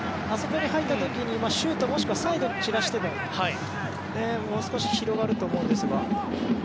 あそこに入った時にシュート、もしくはサイドに散らせばもう少し広がると思うんですが。